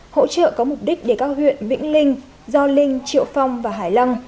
hỗ trợ có mục đích để các huyện vĩnh linh do linh triệu phong và hải lăng